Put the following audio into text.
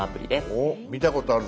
おお見たことあるぞ。